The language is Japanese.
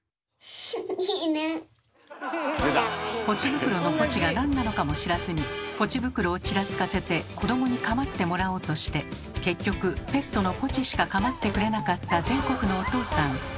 ぽち袋の「ぽち」が何なのかも知らずにぽち袋をちらつかせて子どもに構ってもらおうとして結局ペットのぽちしか構ってくれなかった全国のお父さん。